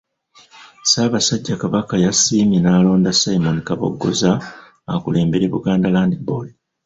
Ssaabasajja Kabaka yasiimye n’alonda Simon Kabogoza akulembere Buganda land Board.